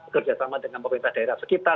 kerjasama dengan pemerintah daerah sekitar